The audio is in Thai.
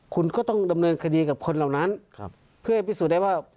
คุณก็ต้องดำเนินคดีกับคนเหล่านั้นเพื่อให้พิสูจน์ได้ว่า